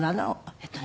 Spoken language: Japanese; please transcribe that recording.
えっとね